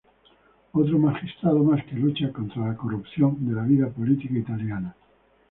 Otro magistrado más que lucha contra la corrupción de la vida política italiana.